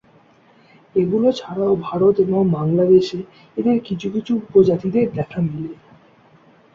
এগুলো ছাড়াও ভারত এবং বাংলাদেশে এদের কিছু কিছু উপজাতিদের দেখা মেলে।